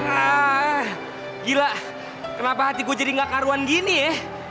ah gila kenapa hati gue jadi gak kearuan gini ya